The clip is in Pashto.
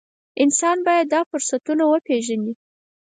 انسان باید دا فرصتونه وپېژني.